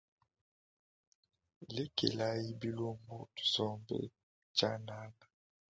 Lekelayi bilumbu tusombe tshianana.